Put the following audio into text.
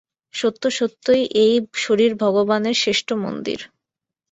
সত্য-সত্যই এই শরীর ভগবানের শ্রেষ্ঠ মন্দির।